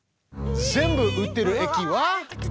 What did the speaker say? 全部売ってる駅は。